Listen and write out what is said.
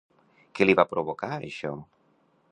Què li va provocar això?